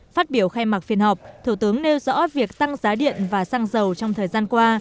phát biểu khai mạc phiên họp thủ tướng nêu rõ việc tăng giá điện và xăng dầu trong thời gian qua